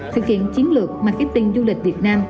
thực hiện chiến lược marketing du lịch việt nam